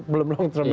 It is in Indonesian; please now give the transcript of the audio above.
belum long term